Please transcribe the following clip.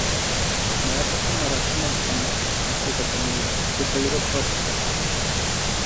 Μα έπαθε μαρασμό σα μ' έχασε, ο κακομοίρης, και σε λίγο ψόφησε.